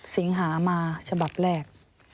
สิงหามาฉบับแรก